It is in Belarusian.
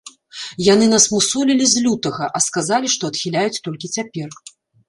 Яны нас мусолілі з лютага, а сказалі, што адхіляюць толькі цяпер.